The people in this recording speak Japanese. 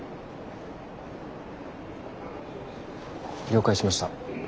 了解しました。